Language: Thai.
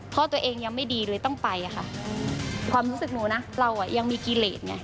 พ่อตัวเองยังไม่ดีเลยต้องไปค่ะความรู้สึกหนูนะเราอ่ะยังมีกิเลสไง